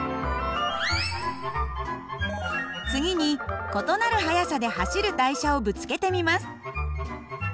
次に異なる速さで走る台車をぶつけてみます。